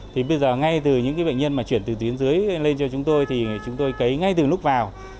thì bây giờ ngay từ những bệnh nhân mà chuyển từ tuyến dưới lên cho chúng tôi thì chúng tôi cấy ngay từ lúc vào